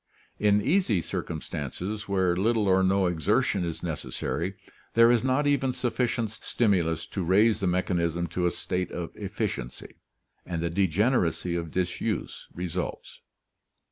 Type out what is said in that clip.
In easy circumstances, where little or no exertion is necessary, there is not even sufficient stimulus to raise the mechanism to a state of efficiency, and the degeneracy of disuse results.